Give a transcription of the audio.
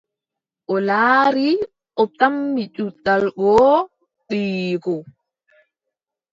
O laari, o tammi juɗal goo, ɓiyiiko ;